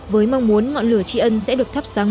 với mong muốn ngọn lửa tri ân sẽ được thắp sáng